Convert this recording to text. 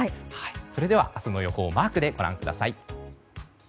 それでは、明日の予報をマークでご覧ください。